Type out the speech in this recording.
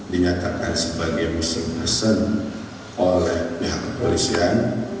dinyatakan sebagai muslim person oleh pihak kepolisian